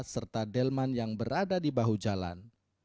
serta delman yang berada di bahu jalan